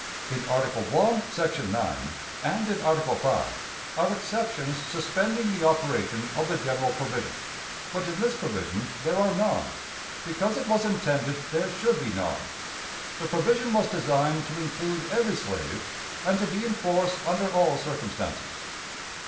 In Article I, section 9, and in Article V, are exceptions suspending the operation of the general provision. But in this provision there are none, because it was intended there should be none. The provision was designed to include every slave, and to be in force under all circumstances.